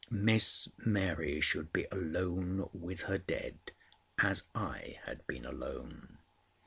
Miss Mary should be alone with her dead, as I had been alone.